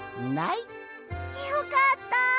よかった。